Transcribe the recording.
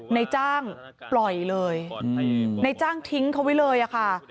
ในจ้างปล่อยเลยในจ้างทิ้งเขาไว้เลยอะค่ะ